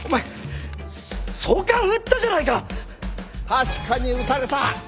・確かに撃たれた。